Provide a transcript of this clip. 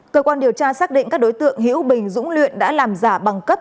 cơ quan điều tra xác định các đối tượng hiễu bình dũng luyện đã làm giả bằng cấp